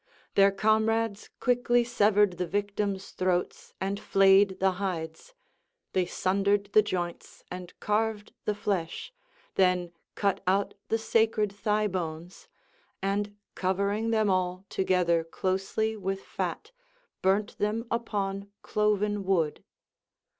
Their comrades quickly severed the victims' throats, and flayed the hides: they sundered the joints and carved the flesh, then cut out the sacred thigh bones, and covering them all together closely with fat burnt them upon cloven wood.